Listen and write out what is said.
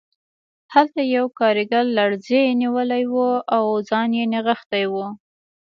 هلته یو کارګر لړزې نیولی و او ځان یې نغښتی و